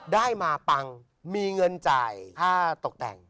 ได้มาปังมีเงินจ่ายค่าตกแต่ง